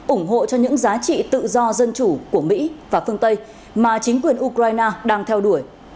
ủng hộ cho những giá trị tự do dân chủ của mỹ và phương tây mà chính quyền ukraine đang theo đuổi